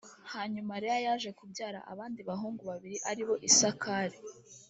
Hanyuma Leya yaje kubyara abandi bahungu babiri ari bo Isakari